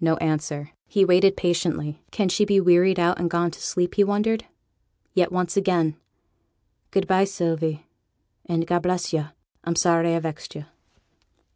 No answer. He waited patiently. Can she be wearied out, and gone to sleep, he wondered. Yet once again 'Good by, Sylvie, and God bless yo'! I'm sorry I vexed yo'.'